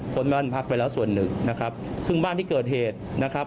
คนบ้านพักไปแล้วส่วนหนึ่งนะครับซึ่งบ้านที่เกิดเหตุนะครับ